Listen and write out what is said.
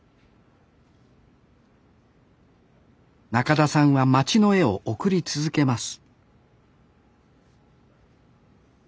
なかださんは街の絵を送り続けます